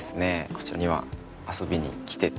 こちらには遊びに来てて。